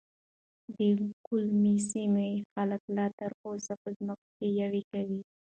د ګوملې سيمې ځينې خلک لا تر اوسه په ځمکو کې يوې کوي .